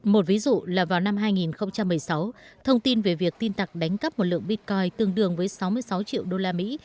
một ví dụ là vào năm hai nghìn một mươi sáu thông tin về việc tin tặc đánh cắp một lượng bitcoin tương đương với sáu mươi sáu triệu đô la mỹ